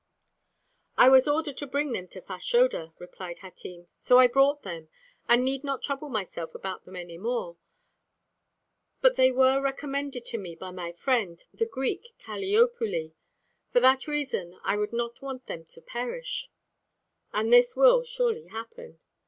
"I was ordered to bring them to Fashoda," replied Hatim, "so I brought them, and need not trouble myself about them any more. But they were recommended to me by my friend, the Greek Kaliopuli; for that reason I would not want them to perish." "And this will surely happen."